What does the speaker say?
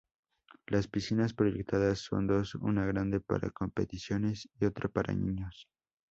Las piscinas proyectadas son dos: una grande para competiciones y otra para niños.